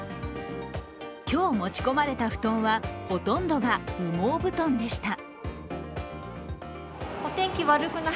今日持ち込まれた布団はほとんどが羽毛布団でした。